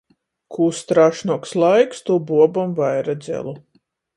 Kū strāšnuoks laiks, tū buobom vaira dzelu.